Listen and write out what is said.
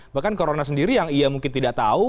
bahkan corona sendiri yang ia mungkin tidak tahu